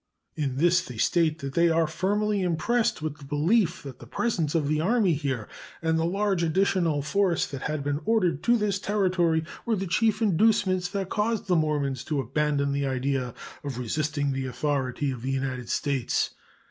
In this they state that they "are firmly impressed with the belief that the presence of the Army here and the large additional force that had been ordered to this Territory were the chief inducements that caused the Mormons to abandon the idea of resisting the authority of the United States.